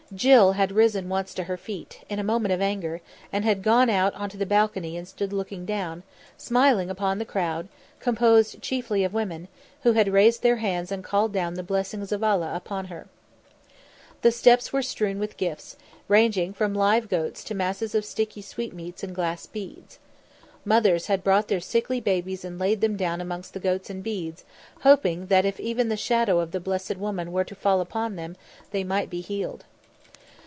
Jill had risen once to her feet, in a moment of anger, and had gone out onto the balcony and stood looking down, smiling upon the crowd, composed chiefly of women, who had raised their hands and called down the blessings of Allah upon her. The steps were strewn with gifts, ranging from live goats to masses of sticky sweetmeats and glass beads. Mothers had brought their sickly babies and laid them down amongst the goats and beads, hoping that if even the shadow of the blessed woman were to fall upon them they might be healed.